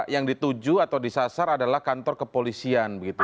yang dituju atau disasar adalah kantor kepolisian begitu